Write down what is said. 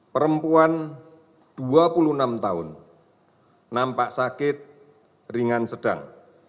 lima puluh lima perempuan dua puluh enam tahun nampak sakit ringan sedang